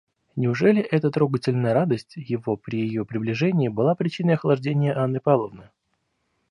Неужели эта трогательная радость его при ее приближении была причиной охлаждения Анны Павловны?